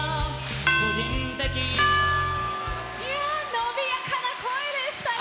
伸びやかな声でしたよ。